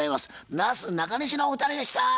なすなかにしのお二人でした。